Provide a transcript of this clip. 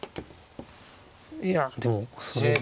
いやでもそれで。